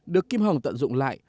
được kim hồng tận dụng lại